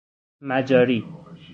مجاری